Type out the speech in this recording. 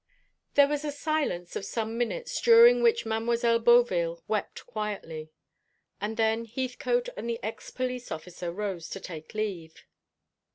There was a silence of some minutes, during which Mademoiselle Beauville wept quietly. And then Heathcote and the ex police officer rose to take leave.